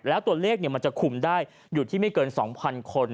แล้วตัวเลขมันจะคุมได้อยู่ที่ไม่เกิน๒๐๐คน